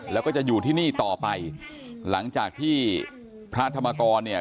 แล้วก็จะอยู่ที่นี่ต่อไปหลังจากที่พระธรรมกรเนี่ย